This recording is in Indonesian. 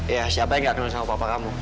ya siapa yang gak kenal sama papa kamu